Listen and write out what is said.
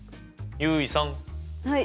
はい。